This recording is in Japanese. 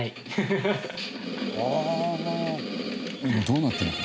どうなってるの？